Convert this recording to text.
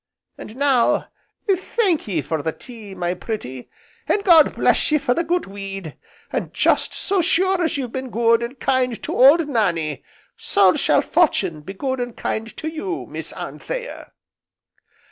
And now thank ye for the tea, my pretty, and God bless ye for the good weed, and just so sure as you've been good, and kind to old Nannie, so shall Fortune be good and kind to you, Miss Anthea."